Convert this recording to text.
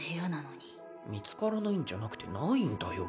見つからないんじゃなくてないんだよ。